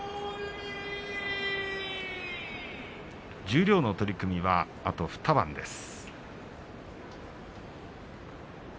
十両の取組はあと２番です。